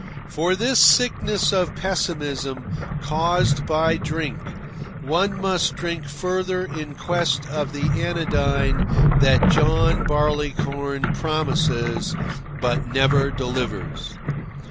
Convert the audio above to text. For this sickness of pessimism, caused by drink, one must drink further in quest of the anodyne that John Barleycorn promises but never delivers.